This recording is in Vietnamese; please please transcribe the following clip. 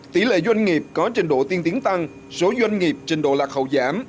tỷ lệ doanh nghiệp có trình độ tiên tiến tăng số doanh nghiệp trình độ lạc hậu giảm